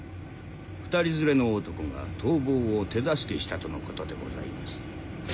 ２人連れの男が逃亡を手助けしたとのことでございます。